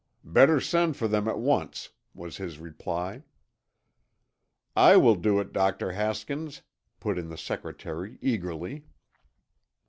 "Better send for them at once," was his reply. "I will do it, Dr. Haskins," put in the secretary eagerly.